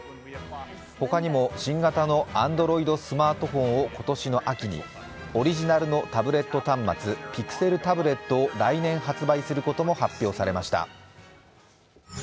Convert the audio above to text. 他にも新型のＡｎｄｒｏｉｄスマートフォンを今年の秋に、オリジナルのタブレット端末、Ｐｉｘｅｌタブレットも来年、発売することも発表されました。